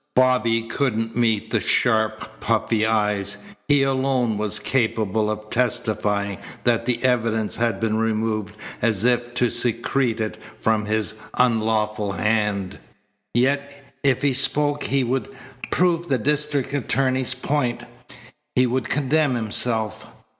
Bobby couldn't meet the sharp, puffy eyes. He alone was capable of testifying that the evidence had been removed as if to secrete it from his unlawful hand. Yet if he spoke he would prove the district attorney's point. He would condemn himself.